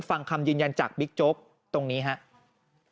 ฟังคำยืนยันจากบิ๊กโจ๊กตรงนี้ครับ